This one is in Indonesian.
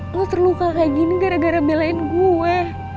kalau terluka kayak gini gara gara belain gue